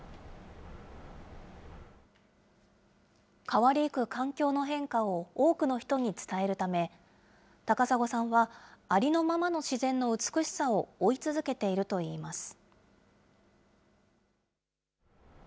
変わりゆく環境の変化を多くの人に伝えるため、高砂さんはありのままの自然の美しさを追い続けているといいます。